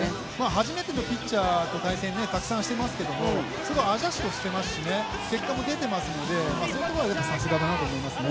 初めてのピッチャーとの対戦たくさんしてますけどすごいアジャストしていますし、結果も出ていますので、そういうところはさすがだなと思いますね。